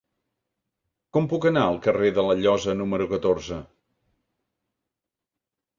Com puc anar al carrer de la Llosa número catorze?